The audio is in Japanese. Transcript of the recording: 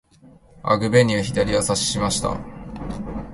アグベニュー、左をさしました。